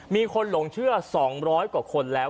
มีคนหลงเชื่อ๒๐๐กว่าคนแล้ว